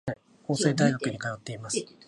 法政大学に通っています。